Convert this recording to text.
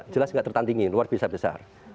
jelas nggak tertandingi luar biasa besar